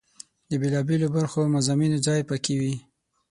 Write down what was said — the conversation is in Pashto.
د بېلا بېلو برخو او مضامینو ځای په کې وي.